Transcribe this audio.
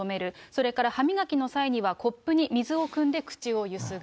それから歯磨きの際にはコップに水をくんで口をゆすぐ。